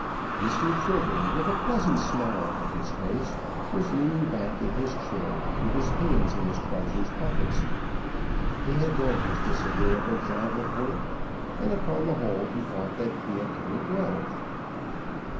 Mr. Trigger, with a pleasant smile on his face, was leaning back in his chair with his hands in his trousers pockets. He had done his disagreeable job of work, and upon the whole he thought that he had done it well.